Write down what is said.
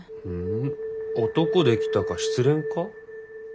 うん男できたか失恋か？